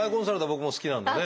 僕も好きなんでね。